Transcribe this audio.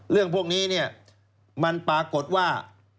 เรื่องพวกนี้มันปรากฏว่า